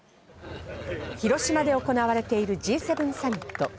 広島で行われているＧ７サミット。